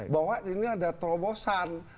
bahwa ini ada terobosan